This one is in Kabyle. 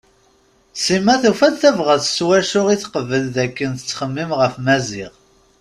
Sima tufa-d tabɣest s wacu i teqbel dakken tettxemmim ɣef Maziɣ.